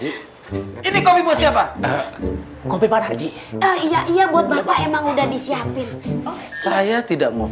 ini kopi siapa kopi pak narji iya iya buat bapak emang udah disiapin saya tidak mau